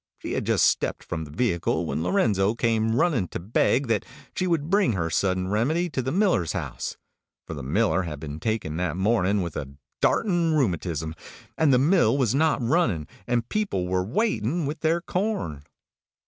She had just stepped from the vehicle when Lorenzo came running to beg that she would bring her Sudden Remedy to the miller's house, for the miller had been taken that morning with the darting rheumatism, and the mill was not running, and people were waiting with their corn.